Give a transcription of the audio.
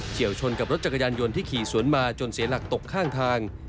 วชนกับรถจักรยานยนต์ที่ขี่สวนมาจนเสียหลักตกข้างทาง